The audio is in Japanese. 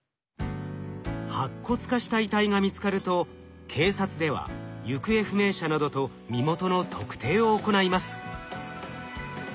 白骨化した遺体が見つかると警察では行方不明者などと身元の特定を行います。